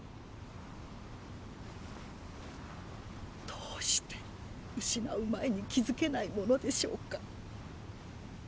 どうして失う前に気付けないものでしょうか。